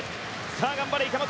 頑張れ、池本。